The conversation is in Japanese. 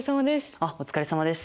あっお疲れさまです。